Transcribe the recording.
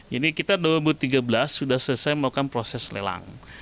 jadi kita dua ribu tiga belas sudah selesai melakukan proses lelang